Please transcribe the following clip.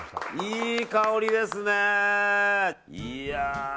いい香りですね。